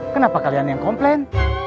kenapa kalian yang komplain